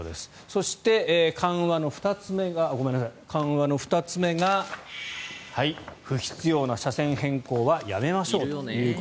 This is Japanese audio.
そして、緩和の２つ目が不必要な車線変更はやめましょうと。